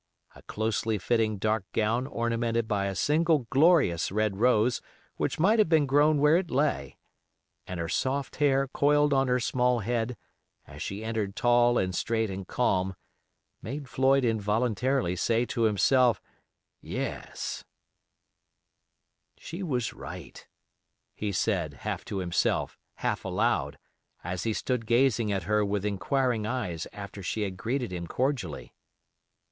A closely fitting dark gown ornamented by a single glorious red rose which might have grown where it lay, and her soft hair coiled on her small head, as she entered tall and straight and calm, made Floyd involuntarily say to himself, "Yes"— "She was right," he said, half to himself, half aloud, as he stood gazing at her with inquiring eyes after she had greeted him cordially.